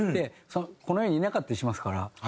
この世にいなかったりしますから。